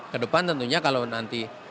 kedepan tentunya kalau nanti